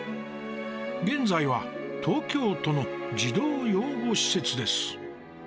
現在は東京都の児童養護施設です。